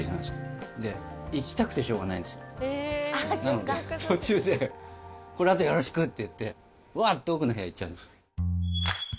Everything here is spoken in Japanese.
気がついたらなので途中で「これあとよろしく」って言ってわっと奥の部屋行っちゃうんです